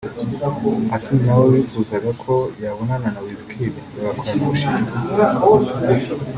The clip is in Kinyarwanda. Asinah na we wifuzaga ko yabonana na Wizkid bagakorana umushinga